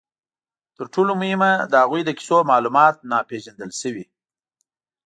تر ټولو مهمه، د هغوی د کیسو معلومات ناپېژندل شوي.